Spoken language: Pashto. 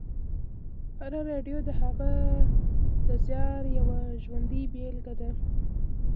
هره راډیو د هغه د زیار یوه ژوندۍ بېلګې ده